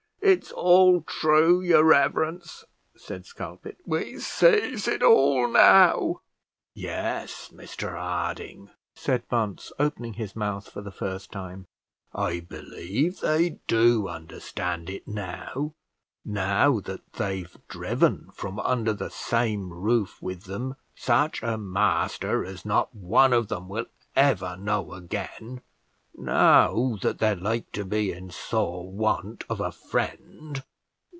"It's all true, your reverence," said Skulpit. "We sees it all now." "Yes, Mr Harding," said Bunce, opening his mouth for the first time; "I believe they do understand it now, now that they've driven from under the same roof with them such a master as not one of them will ever know again, now that they're like to be in sore want of a friend."